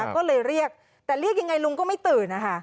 ก็เลยเรียกแต่เรียกยังไงลุงก็ไม่ตื่นนะคะ